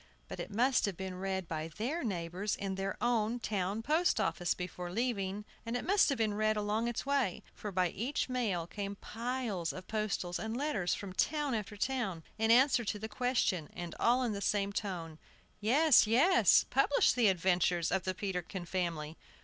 But it must have been read by their neighbors in their own town post office before leaving; it must have been read along its way: for by each mail came piles of postals and letters from town after town, in answer to the question, and all in the same tone: "Yes, yes; publish the adventures of the Peterkin family."